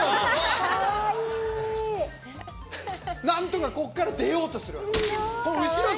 何とかここから出ようとするわけです。